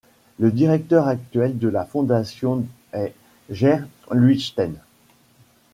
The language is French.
Le directeur actuel de la fondation est Ger Luijten.